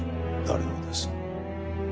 誰をです？